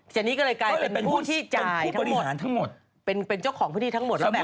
เจนี่ก็เลยกลายเป็นผู้ที่จ่ายทั้งหมดเป็นผู้บริหารทั้งหมด